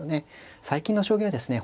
最近の将棋はですね